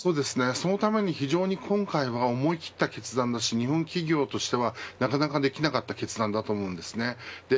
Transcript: そのために非常に今回は思い切った決断を日本企業としてはなかなかできなかった決断だと思います。